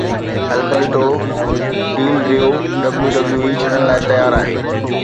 Alberto Del Rio WWE ڇڏڻ لاء تيار آهي